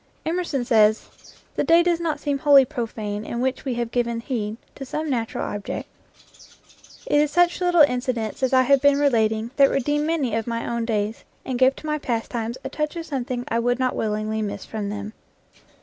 Emerson says, "The day does not seem wholly profane in which we have given heed to some natural object." It is such little incidents as I have been relating that redeem many of my own days, and give to my pastimes a touch of something I would not willingly miss from them.